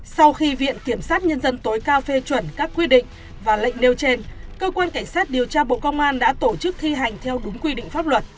sau khi viện kiểm sát nhân dân tối cao phê chuẩn các quy định và lệnh nêu trên cơ quan cảnh sát điều tra bộ công an đã tổ chức thi hành theo đúng quy định pháp luật